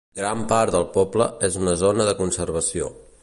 Gran part del poble és una zona de conservació.